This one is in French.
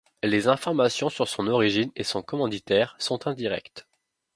Les informations sur son origine et son commanditaire sont indirectes.